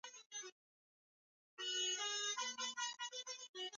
yalijitokeza yaliyopaswa kukubali ubwana wa Wamongolia Kubwa kati